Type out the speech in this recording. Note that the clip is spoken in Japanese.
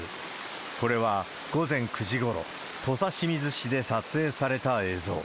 これは午前９時ごろ、土佐清水市で撮影された映像。